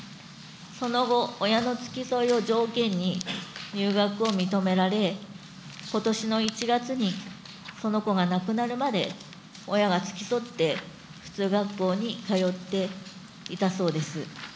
その後、親の付き添いを条件に、入学を認められ、ことしの１月にその子が亡くなるまで親が付き添って、普通学校に通っていたそうです。